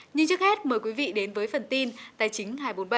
nhưng trước hết mời quý vị đến với phần tin tài chính hai trăm bốn mươi bảy